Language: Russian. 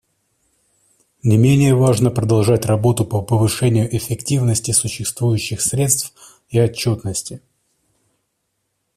Не менее важно продолжать работу по повышению эффективности существующих средств и отчетности.